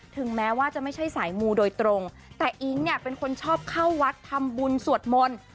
ถึงแม้ว่าจะไม่ใช่สายมูโดยตรงแต่อิ๊งเนี่ยเป็นคนชอบเข้าวัดทำบุญสวดมนต์